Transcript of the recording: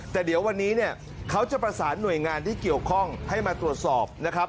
แต่เดี๋ยววันนี้เนี่ยเขาจะประสานหน่วยงานที่เกี่ยวข้องให้มาตรวจสอบนะครับ